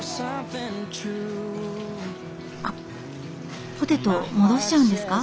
あっポテト戻しちゃうんですか？